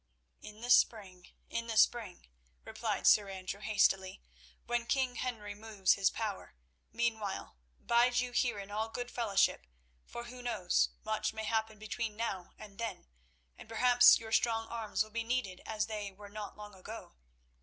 "In the spring; in the spring," replied Sir Andrew hastily; "when King Henry moves his power. Meanwhile, bide you here in all good fellowship, for, who knows—much may happen between now and then, and perhaps your strong arms will be needed as they were not long ago.